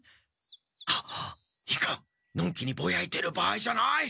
いかんのんきにぼやいてる場合じゃない。